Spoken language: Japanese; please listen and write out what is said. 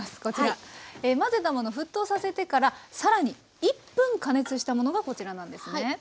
こちら混ぜたもの沸騰させてからさらに１分加熱したものがこちらなんですね。